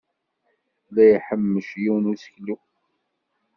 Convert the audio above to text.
La iḥemmec yiwen n useklu.